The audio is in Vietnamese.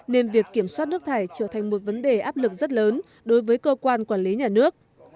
nên việc kiểm soát nước thải trở thành một vấn đề áp lực rất lớn đối với cơ quan quản lý nhà nước